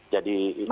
jadi ini anunya